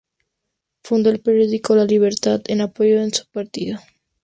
Fundó el periódico "La Libertad" en apoyo de su partido.